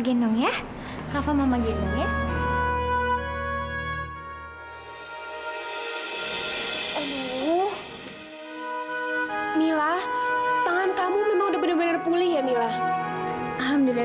seneng ya kak fah mama gini ya eh mila tangan kamu memang udah bener bener pulih ya mila alhamdulillah